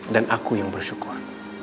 dan aku yang bersyukur